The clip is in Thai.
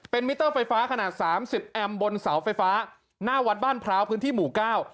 มิเตอร์ไฟฟ้าขนาดสามสิบแอมบนเสาไฟฟ้าหน้าวัดบ้านพร้าวพื้นที่หมู่เก้า